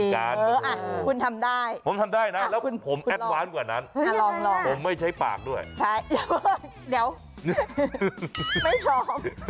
คุณทำได้ผมทำได้นะแล้วผมแอดวานกว่านั้นผมไม่ใช้ปากด้วยเดี๋ยวไม่ยอม